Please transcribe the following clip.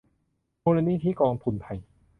มูลนิธิกองทุนไทย